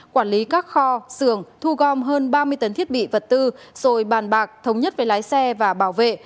quản lý các kho xưởng thu gom hơn ba mươi tấn thiết bị vật tư rồi bàn bạc thống nhất với lái xe và bảo vệ